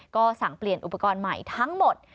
ก็สั่งเปลี่ยนอุปกรณ์ใหม่ทั้งหมด